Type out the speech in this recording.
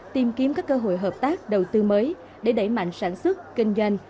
tìm kiếm các cơ hội hợp tác đầu tư mới để đẩy mạnh sản xuất kinh doanh